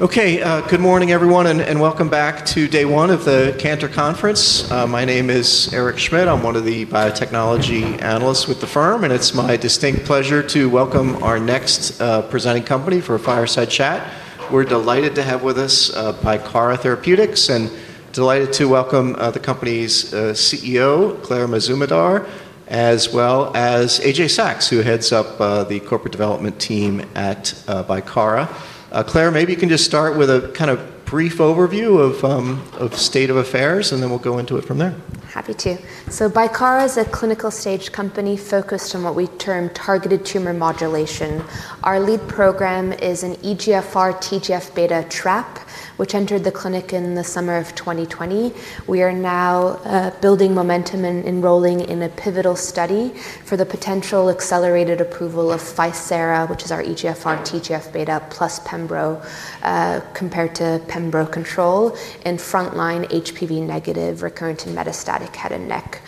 Okay, good morning, everyone, and welcome back to day one of the Cantor Conference. My name is Eric Schmidt. I'm one of the biotechnology analysts with the firm, and it's my distinct pleasure to welcome our next presenting company for a fireside chat. We're delighted to have with us Bicara Therapeutics and delighted to welcome the company's CEO, Claire Mazumdar, as well as A.J. Sacks, who heads up the corporate development team at Bicara. Claire, maybe you can just start with a kind of brief overview of state of affairs, and then we'll go into it from there. Happy to. So Bicara is a clinical-stage company focused on what we term targeted tumor modulation. Our lead program is an EGFR TGF-beta trap, which entered the clinic in the summer of 2020. We are now building momentum and enrolling in a pivotal study for the potential accelerated approval of ficerafusp alfa, which is our EGFR TGF-beta plus Pembro, compared to Pembro control in frontline HPV-negative recurrent and metastatic head and neck,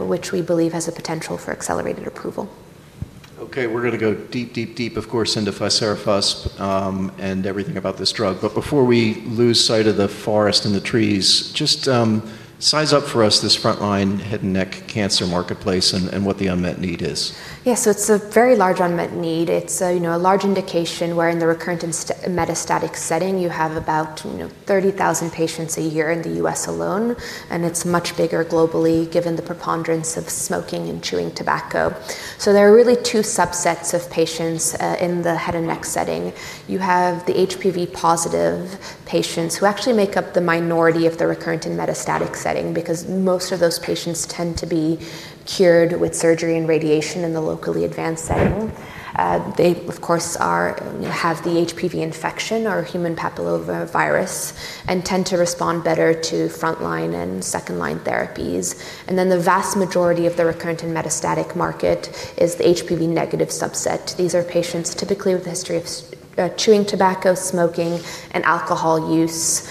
which we believe has the potential for accelerated approval. Okay, we're going to go deep, deep, deep, of course, into ficerafusp alfa and everything about this drug. But before we lose sight of the forest and the trees, just size up for us this frontline head and neck cancer marketplace and what the unmet need is. Yeah, so it's a very large unmet need. It's a large indication where in the recurrent and metastatic setting, you have about 30,000 patients a year in the U.S. alone, and it's much bigger globally given the preponderance of smoking and chewing tobacco. So there are really two subsets of patients in the head and neck setting. You have the HPV positive patients who actually make up the minority of the recurrent and metastatic setting because most of those patients tend to be cured with surgery and radiation in the locally advanced setting. They, of course, have the HPV infection or human papillomavirus and tend to respond better to frontline and second line therapies, and then the vast majority of the recurrent and metastatic market is the HPV negative subset. These are patients typically with a history of chewing tobacco, smoking, and alcohol use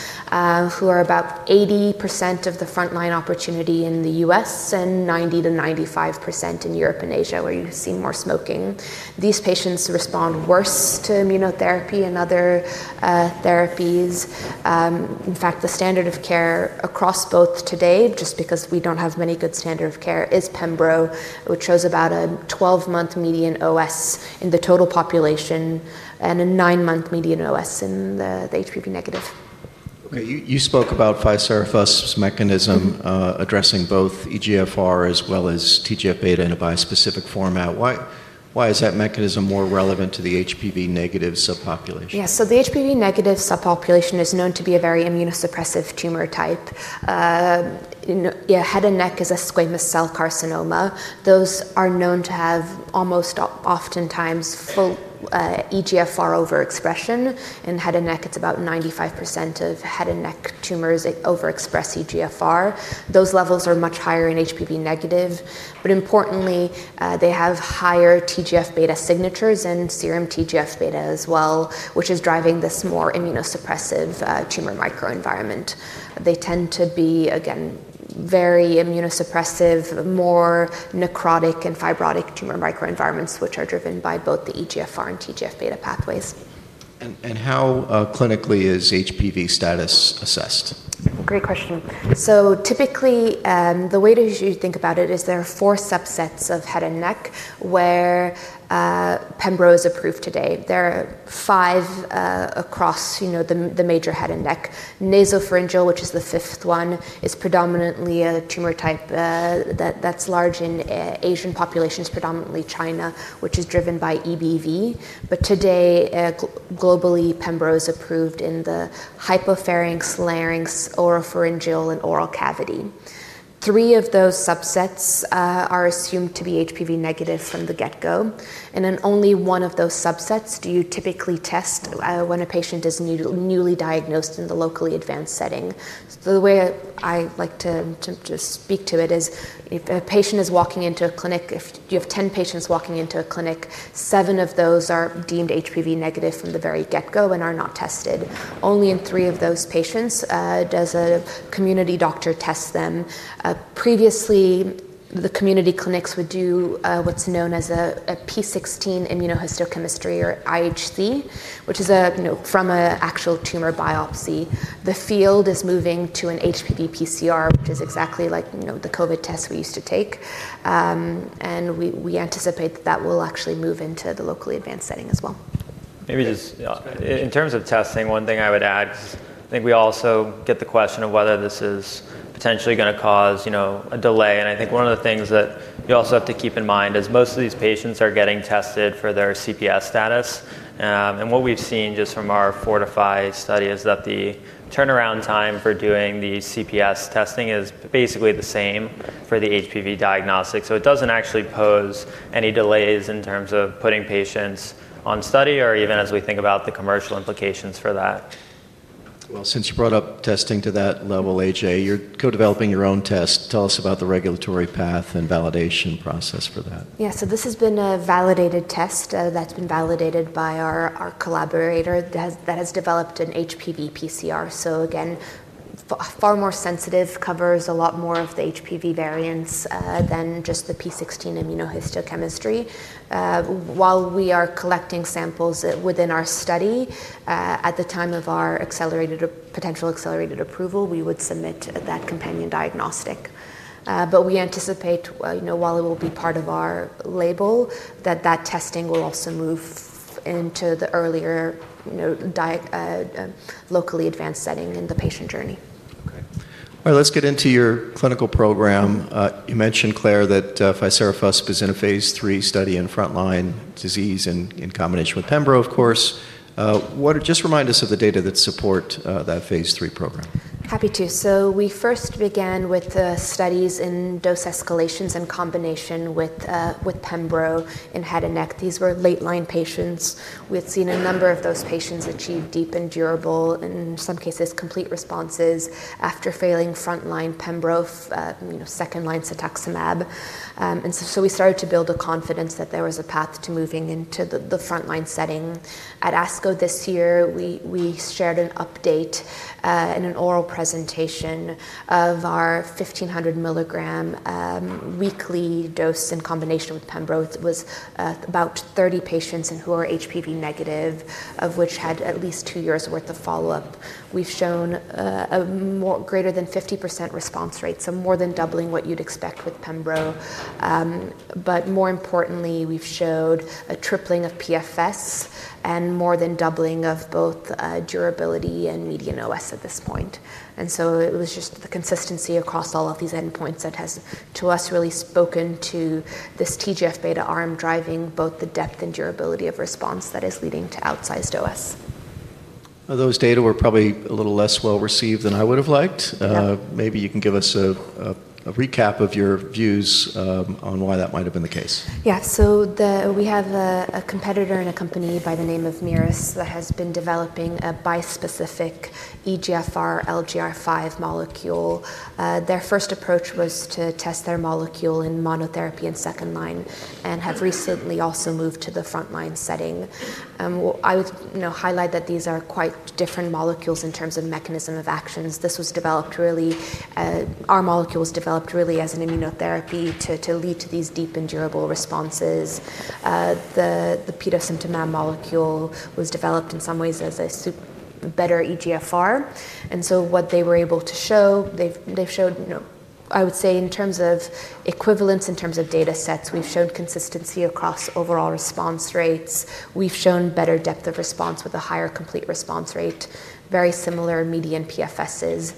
who are about 80% of the frontline opportunity in the U.S. and 90%-95% in Europe and Asia where you see more smoking. These patients respond worse to immunotherapy and other therapies. In fact, the standard of care across both today, just because we don't have many good standard of care, is Pembro, which shows about a 12-month median OS in the total population and a nine-month median OS in the HPV-negative. Okay, you spoke about ficerafusp alfa's mechanism addressing both EGFR as well as TGF-beta in a bispecific format. Why is that mechanism more relevant to the HPV-negative subpopulation? Yeah, so the HPV negative subpopulation is known to be a very immunosuppressive tumor type. Head and neck is a squamous cell carcinoma. Those are known to have almost oftentimes full EGFR overexpression. In head and neck, it's about 95% of head and neck tumors overexpress EGFR. Those levels are much higher in HPV negative, but importantly, they have higher TGF-beta signatures and serum TGF-beta as well, which is driving this more immunosuppressive tumor microenvironment. They tend to be, again, very immunosuppressive, more necrotic and fibrotic tumor microenvironments, which are driven by both the EGFR and TGF-beta pathways. How clinically is HPV status assessed? Great question. So typically, the way you think about it is there are four subsets of head and neck where Pembro is approved today. There are five across the major head and neck. Nasopharyngeal, which is the fifth one, is predominantly a tumor type that's large in Asian populations, predominantly China, which is driven by EBV. But today, globally, Pembro is approved in the hypopharynx, larynx, oropharyngeal, and oral cavity. Three of those subsets are assumed to be HPV negative from the get-go, and then only one of those subsets do you typically test when a patient is newly diagnosed in the locally advanced setting. The way I like to just speak to it is if a patient is walking into a clinic, if you have 10 patients walking into a clinic, seven of those are deemed HPV negative from the very get-go and are not tested. Only in three of those patients does a community doctor test them. Previously, the community clinics would do what's known as a p16 immunohistochemistry or IHC, which is from an actual tumor biopsy. The field is moving to an HPV PCR, which is exactly like the COVID test we used to take. And we anticipate that that will actually move into the locally advanced setting as well. Maybe just in terms of testing, one thing I would add, I think we also get the question of whether this is potentially going to cause a delay. And I think one of the things that you also have to keep in mind is most of these patients are getting tested for their CPS status. And what we've seen just from our Fortify study is that the turnaround time for doing the CPS testing is basically the same for the HPV diagnostic. So it doesn't actually pose any delays in terms of putting patients on study or even as we think about the commercial implications for that. Since you brought up testing to that level, A.J., you're co-developing your own test. Tell us about the regulatory path and validation process for that? Yeah, so this has been a validated test that's been validated by our collaborator that has developed an HPV PCR. So again, far more sensitive, covers a lot more of the HPV variants than just the P16 immunohistochemistry. While we are collecting samples within our study, at the time of our potential accelerated approval, we would submit that companion diagnostic. But we anticipate while it will be part of our label that that testing will also move into the earlier locally advanced setting in the patient journey. Okay, all right, let's get into your clinical program. You mentioned, Claire, that ficerafusp alfa is in a phase three study in frontline disease in combination with Pembro, of course. Just remind us of the data that support that phase three program. Happy to. So we first began with studies in dose escalations in combination with Pembro in head and neck. These were late line patients. We had seen a number of those patients achieve deep and durable, in some cases complete responses after failing frontline Pembro, second line cetuximab. And so we started to build a confidence that there was a path to moving into the frontline setting. At ASCO this year, we shared an update in an oral presentation of our 1,500 milligram weekly dose in combination with Pembro. It was about 30 patients who are HPV negative, of which had at least two years' worth of follow-up. We've shown a greater than 50% response rate, so more than doubling what you'd expect with Pembro. But more importantly, we've showed a tripling of PFS and more than doubling of both durability and median OS at this point. It was just the consistency across all of these endpoints that has, to us, really spoken to this TGF-beta arm driving both the depth and durability of response that is leading to outsized OS. Those data were probably a little less well received than I would have liked. Maybe you can give us a recap of your views on why that might have been the case? Yeah, so we have a competitor in a company by the name of Merus that has been developing a bispecific EGFR LGR5 molecule. Their first approach was to test their molecule in monotherapy and second line and have recently also moved to the frontline setting. I would highlight that these are quite different molecules in terms of mechanism of actions. This was developed really, our molecule was developed really as an immunotherapy to lead to these deep and durable responses. The petosemtamab molecule was developed in some ways as a better EGFR. And so what they were able to show, they've showed, I would say in terms of equivalence, in terms of data sets, we've shown consistency across overall response rates. We've shown better depth of response with a higher complete response rate, very similar median PFSs.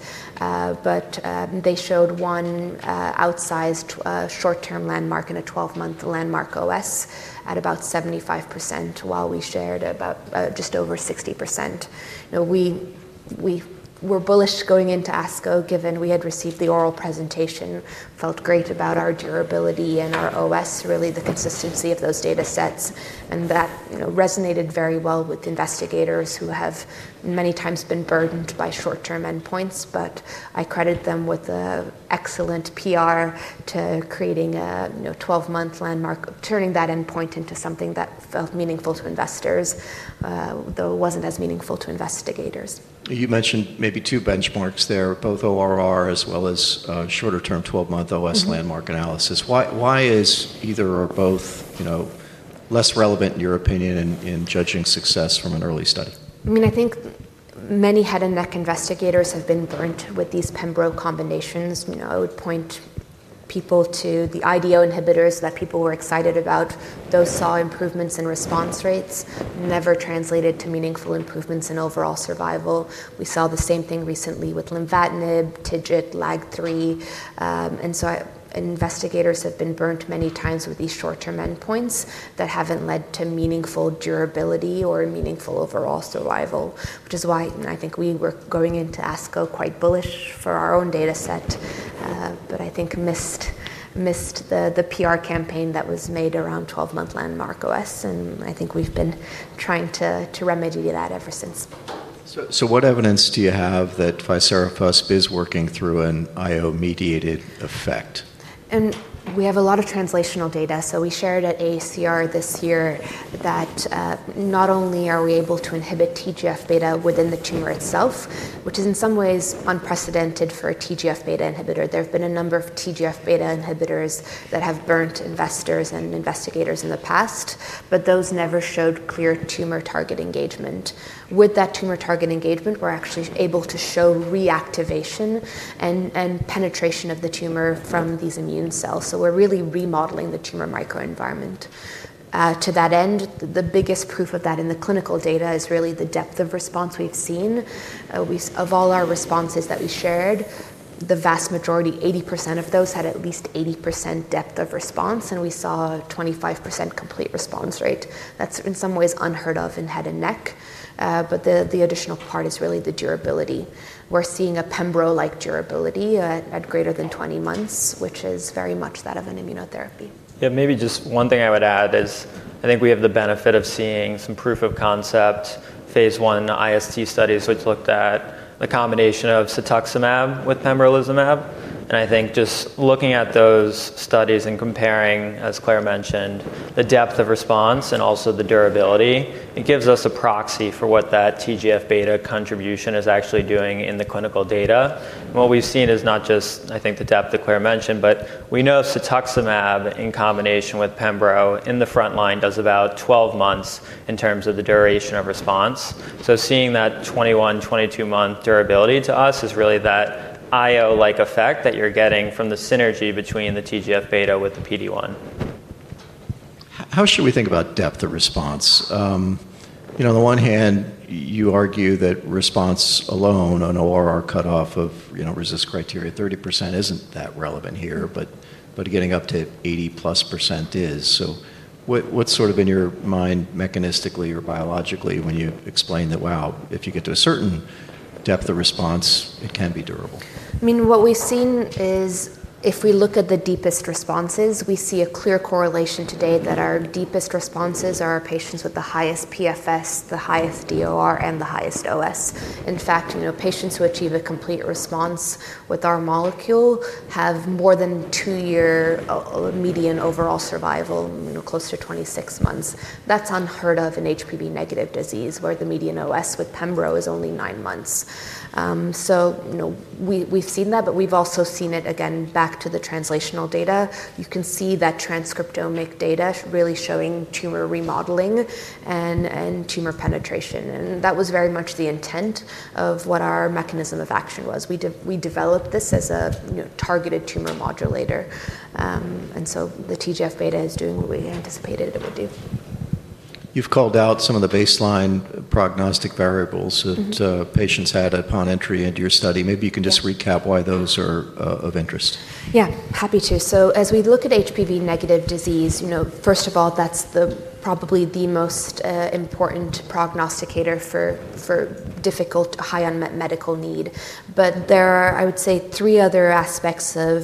But they showed one outsized short-term landmark and a 12-month landmark OS at about 75%, while we shared about just over 60%. We were bullish going into ASCO given we had received the oral presentation, felt great about our durability and our OS, really the consistency of those data sets. And that resonated very well with investigators who have many times been burdened by short-term endpoints. But I credit them with an excellent PR to creating a 12-month landmark, turning that endpoint into something that felt meaningful to investors, though it wasn't as meaningful to investigators. You mentioned maybe two benchmarks there, both ORR as well as shorter-term 12-month OS landmark analysis. Why is either or both less relevant, in your opinion, in judging success from an early study? I mean, I think many head and neck investigators have been burned with these Pembro combinations. I would point people to the IDO inhibitors that people were excited about. Those saw improvements in response rates, never translated to meaningful improvements in overall survival. We saw the same thing recently with lenvatinib, TIGIT, LAG-3, and so investigators have been burned many times with these short-term endpoints that haven't led to meaningful durability or meaningful overall survival, which is why I think we were going into ASCO quite bullish for our own data set, but I think missed the PR campaign that was made around 12-month landmark OS, and I think we've been trying to remedy that ever since. What evidence do you have that ficerafusp alfa is working through an IO mediated effect? We have a lot of translational data. So we shared at AACR this year that not only are we able to inhibit TGF-beta within the tumor itself, which is in some ways unprecedented for a TGF-beta inhibitor. There have been a number of TGF-beta inhibitors that have burnt investors and investigators in the past, but those never showed clear tumor target engagement. With that tumor target engagement, we're actually able to show reactivation and penetration of the tumor from these immune cells. So we're really remodeling the tumor microenvironment. To that end, the biggest proof of that in the clinical data is really the depth of response we've seen. Of all our responses that we shared, the vast majority, 80% of those had at least 80% depth of response, and we saw 25% complete response rate. That's in some ways unheard of in head and neck. But the additional part is really the durability. We're seeing a Pembro-like durability at greater than 20 months, which is very much that of an immunotherapy. Yeah, maybe just one thing I would add is I think we have the benefit of seeing some proof of concept phase one IST studies, which looked at the combination of cetuximab with pembrolizumab. And I think just looking at those studies and comparing, as Claire mentioned, the depth of response and also the durability, it gives us a proxy for what that TGF beta contribution is actually doing in the clinical data. And what we've seen is not just, I think, the depth that Claire mentioned, but we know cetuximab in combination with Pembro in the front line does about 12 months in terms of the duration of response. So seeing that 21-22-month durability to us is really that IO-like effect that you're getting from the synergy between the TGF beta with the PD1. How should we think about depth of response? On the one hand, you argue that response alone, an ORR cutoff of RECIST criteria 30% isn't that relevant here, but getting up to 80% plus is. So what's sort of in your mind mechanistically or biologically when you explain that, wow, if you get to a certain depth of response, it can be durable? I mean, what we've seen is if we look at the deepest responses, we see a clear correlation today that our deepest responses are our patients with the highest PFS, the highest DOR, and the highest OS. In fact, patients who achieve a complete response with our molecule have more than two-year median overall survival, close to 26 months. That's unheard of in HPV negative disease where the median OS with Pembro is only nine months, so we've seen that, but we've also seen it again back to the translational data. You can see that transcriptomic data really showing tumor remodeling and tumor penetration, and that was very much the intent of what our mechanism of action was. We developed this as a targeted tumor modulator, and so the TGF beta is doing what we anticipated it would do. You've called out some of the baseline prognostic variables that patients had upon entry into your study. Maybe you can just recap why those are of interest. Yeah, happy to. So as we look at HPV negative disease, first of all, that's probably the most important prognosticator for difficult, high unmet medical need. But there are, I would say, three other aspects of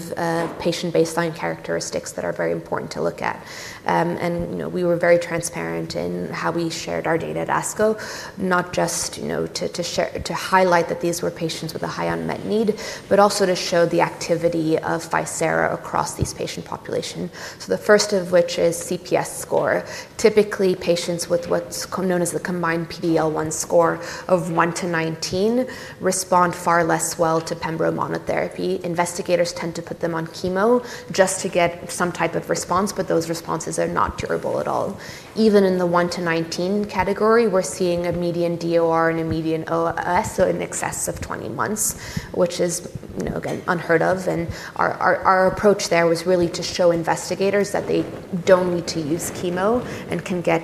patient baseline characteristics that are very important to look at. And we were very transparent in how we shared our data at ASCO, not just to highlight that these were patients with a high unmet need, but also to show the activity of ficerafusp alfa across these patient populations. So the first of which is CPS score. Typically, patients with what's known as the combined PD-L1 score of 1 to 19 respond far less well to Pembro monotherapy. Investigators tend to put them on chemo just to get some type of response, but those responses are not durable at all. Even in the 1 to 19 category, we're seeing a median DOR and a median OS in excess of 20 months, which is again unheard of, and our approach there was really to show investigators that they don't need to use chemo and can get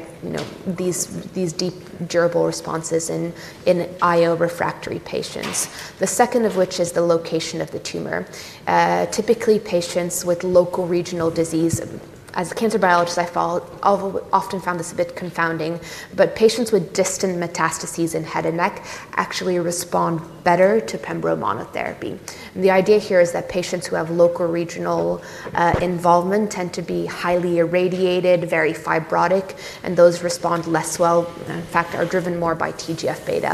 these deep durable responses in IO refractory patients. The second of which is the location of the tumor. Typically, patients with local regional disease, as cancer biologists, I've often found this a bit confounding, but patients with distant metastases in head and neck actually respond better to Pembro monotherapy. And the idea here is that patients who have local regional involvement tend to be highly irradiated, very fibrotic, and those respond less well, in fact, are driven more by TGF-beta.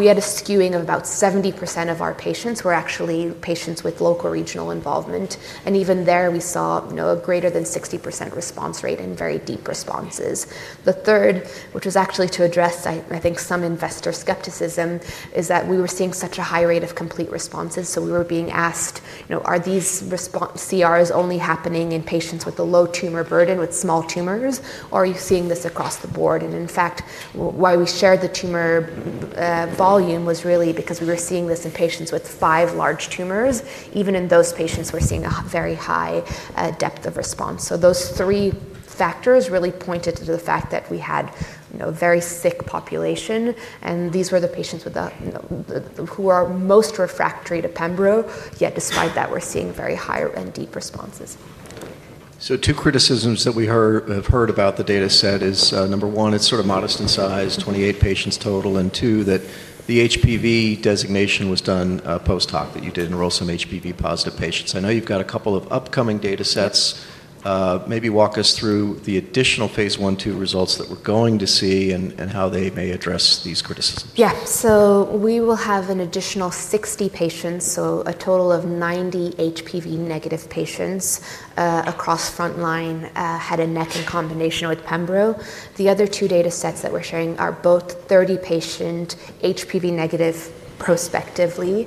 We had a skewing of about 70% of our patients were actually patients with local regional involvement. And even there, we saw a greater than 60% response rate and very deep responses. The third, which was actually to address, I think, some investor skepticism, is that we were seeing such a high rate of complete responses. So we were being asked, are these CRs only happening in patients with a low tumor burden with small tumors, or are you seeing this across the board? And in fact, why we shared the tumor volume was really because we were seeing this in patients with five large tumors. Even in those patients, we're seeing a very high depth of response. So those three factors really pointed to the fact that we had a very sick population. And these were the patients who are most refractory to Pembro, yet despite that, we're seeing very high and deep responses. Two criticisms that we have heard about the data set is number one, it's sort of modest in size, 28 patients total, and two, that the HPV designation was done post hoc that you did enroll some HPV-positive patients. I know you've got a couple of upcoming data sets. Maybe walk us through the additional phase 1/2 results that we're going to see and how they may address these criticisms. Yeah, so we will have an additional 60 patients, so a total of 90 HPV-negative patients across frontline head and neck in combination with Pembro. The other two data sets that we're sharing are both 30-patient HPV-negative prospectively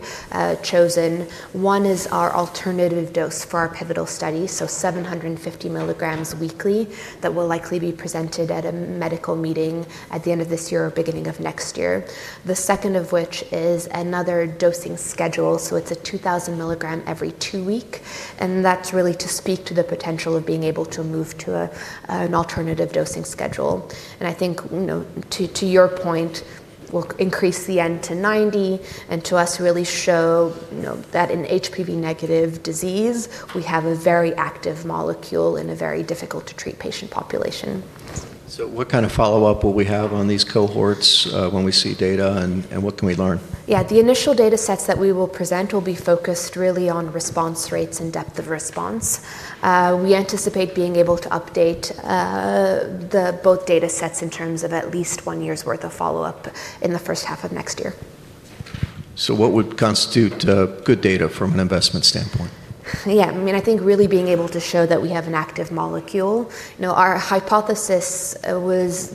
chosen. One is our alternative dose for our pivotal study, so 750 milligrams weekly that will likely be presented at a medical meeting at the end of this year or beginning of next year. The second of which is another dosing schedule. So it's a 2000 milligram every two weeks. And that's really to speak to the potential of being able to move to an alternative dosing schedule. And I think to your point, we'll increase the n to 90 and to us really show that in HPV-negative disease, we have a very active molecule in a very difficult to treat patient population. So what kind of follow-up will we have on these cohorts when we see data, and what can we learn? Yeah, the initial data sets that we will present will be focused really on response rates and depth of response. We anticipate being able to update both data sets in terms of at least one year's worth of follow-up in the first half of next year. So what would constitute good data from an investment standpoint? Yeah, I mean, I think really being able to show that we have an active molecule. Our hypothesis was,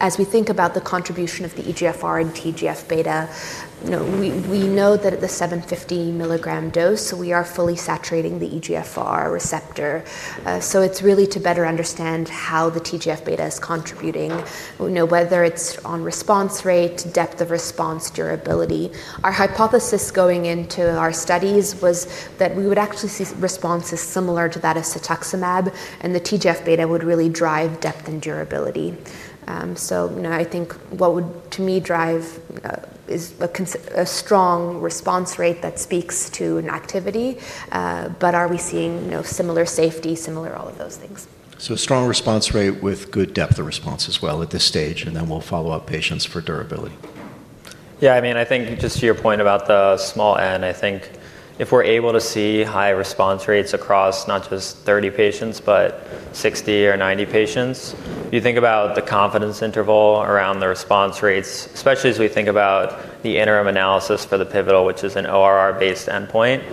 as we think about the contribution of the EGFR and TGF beta, we know that at the 750 milligram dose, we are fully saturating the EGFR receptor. So it's really to better understand how the TGF beta is contributing, whether it's on response rate, depth of response, durability. Our hypothesis going into our studies was that we would actually see responses similar to that of cetuximab, and the TGF beta would really drive depth and durability. So I think what would, to me, drive is a strong response rate that speaks to an activity, but are we seeing similar safety, similar all of those things? So a strong response rate with good depth of response as well at this stage, and then we'll follow up patients for durability. Yeah, I mean, I think just to your point about the small end, I think if we're able to see high response rates across not just 30 patients, but 60 or 90 patients, you think about the confidence interval around the response rates, especially as we think about the interim analysis for the pivotal, which is an ORR-based endpoint,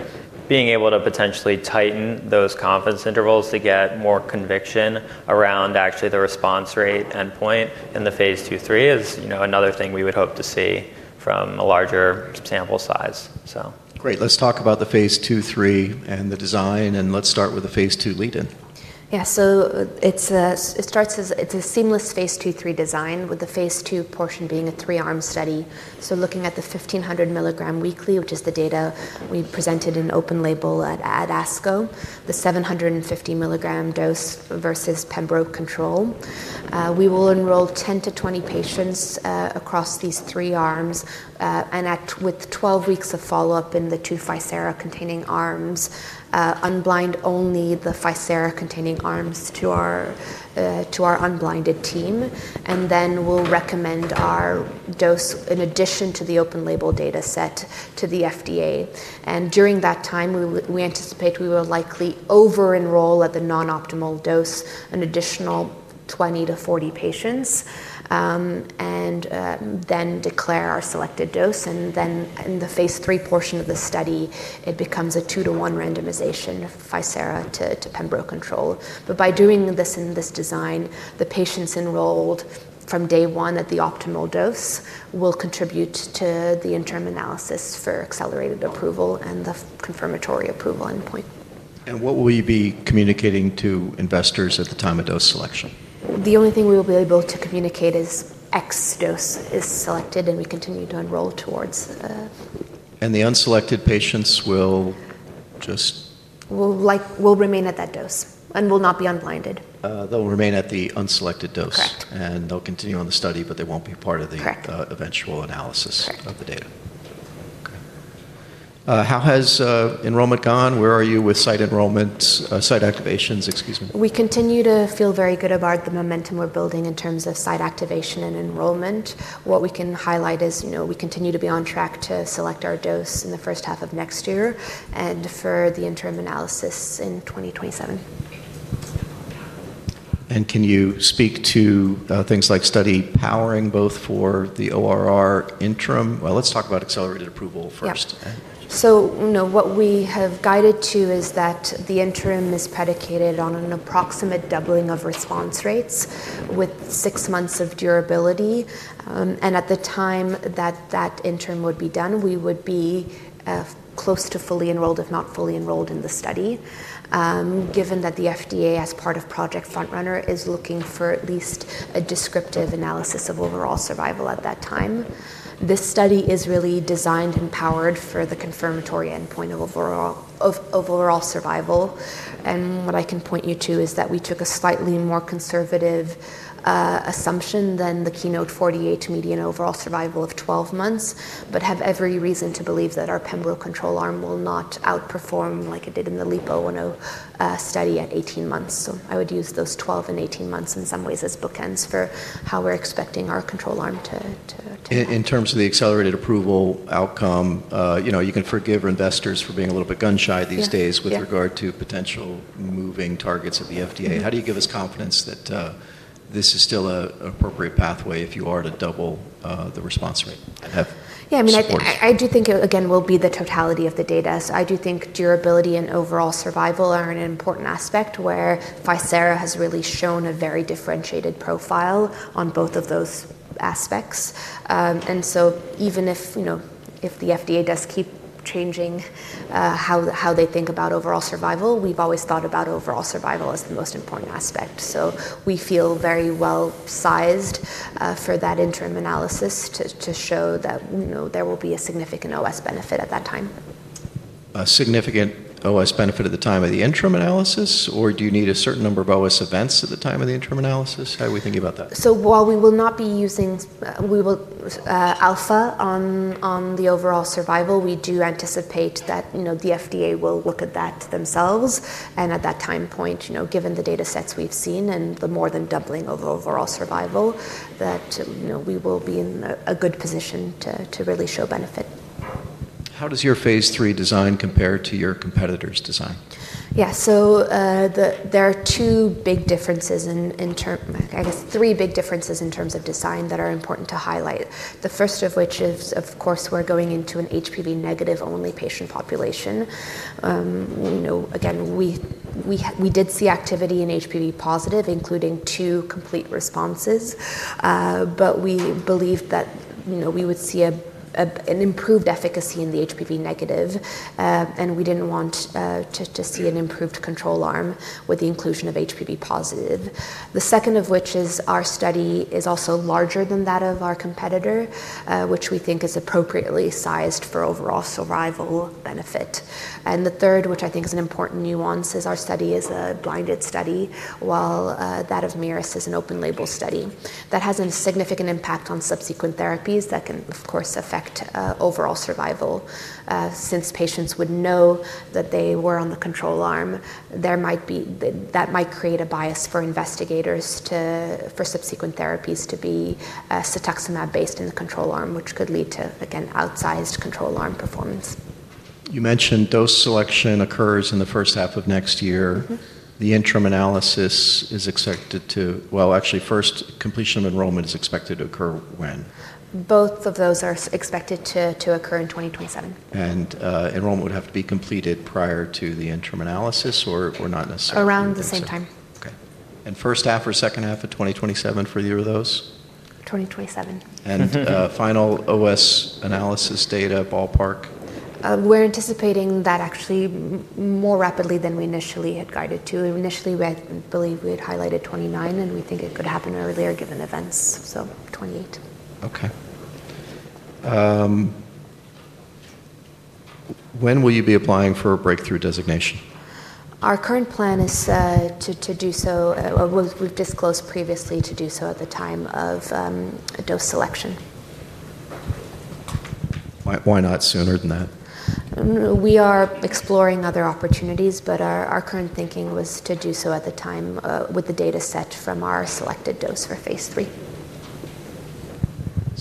being able to potentially tighten those confidence intervals to get more conviction around actually the response rate endpoint in the phase two, three is another thing we would hope to see from a larger sample size. Great, let's talk about the phase two, three and the design, and let's start with the phase two lead-in. Yeah, so it starts as it's a seamless phase two, three design with the phase two portion being a three-arm study, so looking at the 1,500 milligram weekly, which is the data we presented in open label at ASCO, the 750 milligram dose versus Pembro control. We will enroll 10 to 20 patients across these three arms and with 12 weeks of follow-up in the two ficerafusp alfa containing arms, unblind only the ficerafusp alfa containing arms to our unblinded team, and then we'll recommend our dose in addition to the open label data set to the FDA, and during that time, we anticipate we will likely over-enroll at the non-optimal dose, an additional 20 to 40 patients, and then declare our selected dose, and then in the phase three portion of the study, it becomes a two to one randomization of ficerafusp alfa to Pembro control. But by doing this in this design, the patients enrolled from day one at the optimal dose will contribute to the interim analysis for accelerated approval and the confirmatory approval endpoint. What will you be communicating to investors at the time of dose selection? The only thing we will be able to communicate is X dose is selected and we continue to enroll towards. The unselected patients will just. Will remain at that dose and will not be unblinded. They'll remain at the unselected dose. Correct. They'll continue on the study, but they won't be part of the eventual analysis of the data. How has enrollment gone? Where are you with site enrollment, site activations, excuse me? We continue to feel very good about the momentum we're building in terms of site activation and enrollment. What we can highlight is we continue to be on track to select our dose in the first half of next year and for the interim analysis in 2027. And can you speak to things like study powering both for the ORR interim? Well, let's talk about accelerated approval first. What we have guided to is that the interim is predicated on an approximate doubling of response rates with six months of durability. At the time that that interim would be done, we would be close to fully enrolled, if not fully enrolled in the study, given that the FDA as part of Project FrontRunner is looking for at least a descriptive analysis of overall survival at that time. This study is really designed and powered for the confirmatory endpoint of overall survival. What I can point you to is that we took a slightly more conservative assumption than the KEYNOTE-048 median overall survival of 12 months, but have every reason to believe that our Pembro control arm will not outperform like it did in the LEAP study at 18 months. So I would use those 12 and 18 months in some ways as bookends for how we're expecting our control arm to. In terms of the Accelerated Approval outcome, you can forgive investors for being a little bit gun shy these days with regard to potential moving targets of the FDA. How do you give us confidence that this is still an appropriate pathway if you are to double the response rate? Yeah, I mean, I do think it again will be the totality of the data. So I do think durability and overall survival are an important aspect where ficerafusp alfa has really shown a very differentiated profile on both of those aspects. And so even if the FDA does keep changing how they think about overall survival, we've always thought about overall survival as the most important aspect. So we feel very well sized for that interim analysis to show that there will be a significant OS benefit at that time. A significant OS benefit at the time of the interim analysis, or do you need a certain number of OS events at the time of the interim analysis? How are we thinking about that? So while we will not be using alpha on the overall survival, we do anticipate that the FDA will look at that themselves. And at that time point, given the data sets we've seen and the more than doubling of overall survival, that we will be in a good position to really show benefit. How does your phase three design compare to your competitor's design? Yeah, so there are two big differences in, I guess, three big differences in terms of design that are important to highlight. The first of which is, of course, we're going into an HPV negative only patient population. Again, we did see activity in HPV positive, including two complete responses, but we believe that we would see an improved efficacy in the HPV negative, and we didn't want to see an improved control arm with the inclusion of HPV positive. The second of which is our study is also larger than that of our competitor, which we think is appropriately sized for overall survival benefit. And the third, which I think is an important nuance, is our study is a blinded study while that of Merus is an open label study that has a significant impact on subsequent therapies that can, of course, affect overall survival. Since patients would know that they were on the control arm, that might create a bias for investigators for subsequent therapies to be cetuximab based in the control arm, which could lead to, again, outsized control arm performance. You mentioned dose selection occurs in the first half of next year. The interim analysis is expected to, well, actually first completion of enrollment is expected to occur when? Both of those are expected to occur in 2027. Enrollment would have to be completed prior to the interim analysis or not necessarily? Around the same time. Okay, and first half or second half of 2027 for the year of those? 2027. Final OS analysis data ballpark? We're anticipating that actually more rapidly than we initially had guided to. Initially, we believe we had highlighted 29, and we think it could happen earlier given events, so 28. Okay. When will you be applying for a breakthrough designation? Our current plan is to do so, or we've disclosed previously to do so at the time of dose selection. Why not sooner than that? We are exploring other opportunities, but our current thinking was to do so at the time with the data set from our selected dose for phase 3. So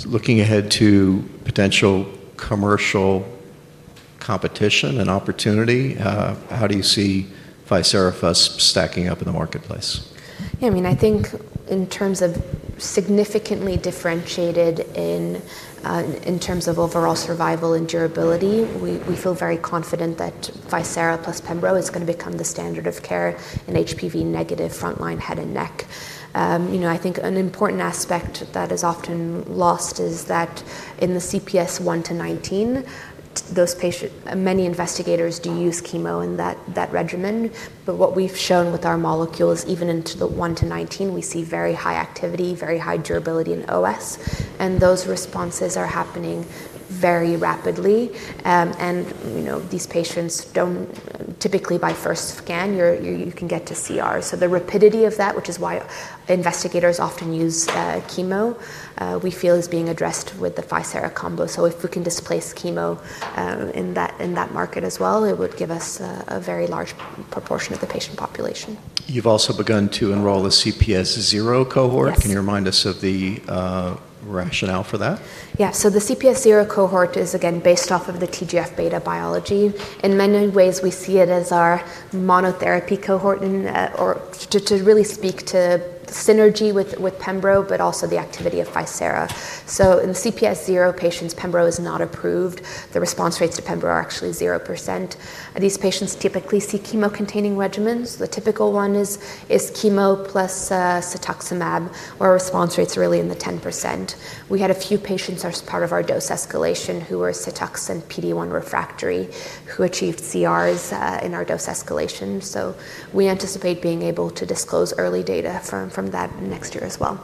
looking ahead to potential commercial competition and opportunity, how do you see ficerafusp alfa stacking up in the marketplace? Yeah, I mean, I think in terms of significantly differentiated in terms of overall survival and durability, we feel very confident that ficerafusp plus Pembro is going to become the standard of care in HPV-negative frontline head and neck. I think an important aspect that is often lost is that in the CPS one to 19, many investigators do use chemo in that regimen. But what we've shown with our molecules, even into the one to 19, we see very high activity, very high durability in OS, and those responses are happening very rapidly. And these patients don't typically by first scan, you can get to CR. So the rapidity of that, which is why investigators often use chemo, we feel is being addressed with the ficerafusp combo. So if we can displace chemo in that market as well, it would give us a very large proportion of the patient population. You've also begun to enroll a CPS zero cohort. Can you remind us of the rationale for that? Yeah, so the CPS zero cohort is again based off of the TGF-beta biology. In many ways, we see it as our monotherapy cohort to really speak to synergy with Pembro, but also the activity of ficerafusp alfa. So in the CPS zero patients, Pembro is not approved. The response rates to Pembro are actually 0%. These patients typically see chemo containing regimens. The typical one is chemo plus cetuximab, where response rates are really in the 10%. We had a few patients as part of our dose escalation who were cetux and PD-1 refractory who achieved CRs in our dose escalation. So we anticipate being able to disclose early data from that next year as well.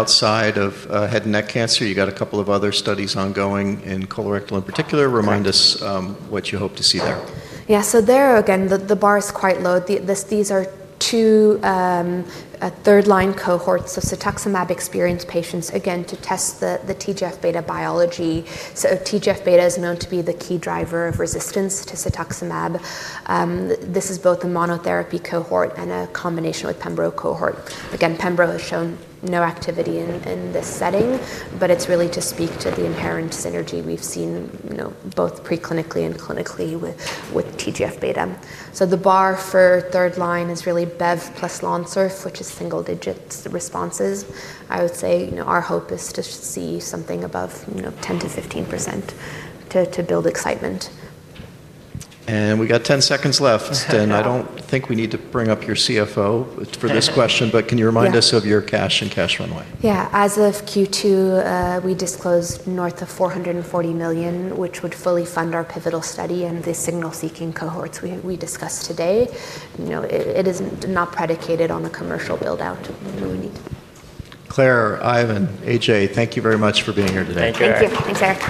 Outside of head and neck cancer, you got a couple of other studies ongoing in colorectal in particular. Remind us what you hope to see there. Yeah, so there again, the bar is quite low. These are two third-line cohorts of cetuximab-experienced patients, again to test the TGF-beta biology. So TGF-beta is known to be the key driver of resistance to cetuximab. This is both a monotherapy cohort and a combination with Pembro cohort. Again, Pembro has shown no activity in this setting, but it's really to speak to the inherent synergy we've seen both preclinically and clinically with TGF-beta. So the bar for third line is really Bev plus Lonsurf, which is single-digit responses. I would say our hope is to see something above 10%-15% to build excitement. We got 10 seconds left, and I don't think we need to bring up your CFO for this question, but can you remind us of your cash and cash runway? Yeah, as of Q2, we disclosed north of $440 million, which would fully fund our pivotal study and the signal seeking cohorts we discussed today. It is not predicated on a commercial buildout. Claire, Ivan Li, thank you very much for being here today. Thank you. Thanks.